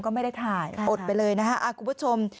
ก็ไม่ได้ถ่ายอดไปเลยนะฮะคุณผู้ชม